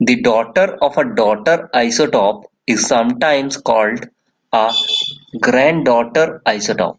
The daughter of a daughter isotope is sometimes called a "granddaughter isotope".